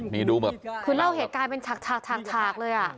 นี่ดูแบบคือเล่าเหตุการณ์เป็นฉากเลยอ่ะ